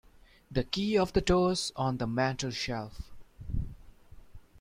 The key of the door's on the mantelshelf.